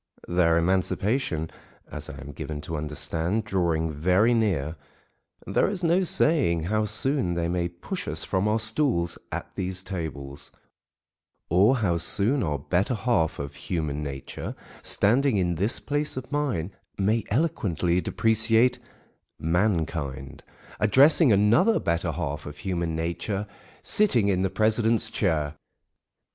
Their emancipation (as I am given to understand) drawing very near, there is no saying how soon they may "push us from our stools" at these tables, or how soon our better half of human nature, standing in this place of mine, may eloquently depreciate mankind, addressing another better half of human nature sitting in the president's chair.